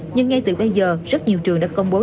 nhưng ngay từ bây giờ rất nhiều trường đã công bố